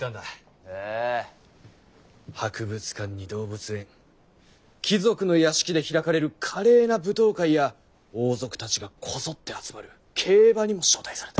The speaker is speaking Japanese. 博物館に動物園貴族の邸で開かれる華麗な舞踏会や王族たちがこぞって集まる競馬にも招待された。